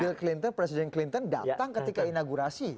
bill clinton presiden clinton datang ketika inaugurasi